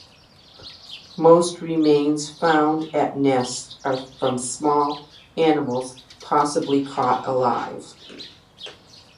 Most remains found at nests are from small animals possibly caught alive.